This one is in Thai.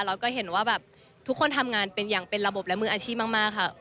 แล้วก็เห็นว่าแบบทุกคนทำงานเป็นอย่างเป็นระบบและมืออาชีพมากค่ะ